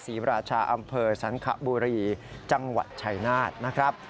ศรีราชาอำเภอสันขบุรีจังหวัดชัยนาธนะครับ